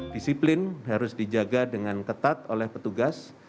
disiplin harus dijaga dengan ketat oleh petugas